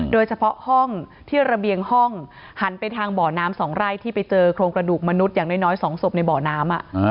โดยเฉพาะห้องที่ระเบียงห้องหันไปทางบ่อน้ำ๒ไร่ที่ไปเจอโครงกระดูกมนุษย์อย่างน้อย๒ศพในบ่อน้ำ